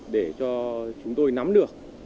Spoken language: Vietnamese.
để cho chúng tôi nắm được